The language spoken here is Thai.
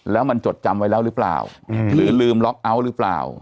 แล้วมันจดจำไว้แล้วหรือเปล่าหรือลืมล็อกเอาท์หรือเปล่า